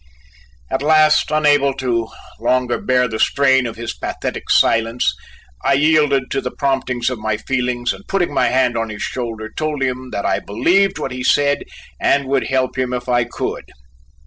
At last, unable to longer bear the strain of his pathetic silence, I yielded to the promptings of my feelings and putting my hand on his shoulder told him that I believed what he said and would help him if I could.